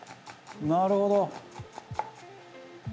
「なるほど！」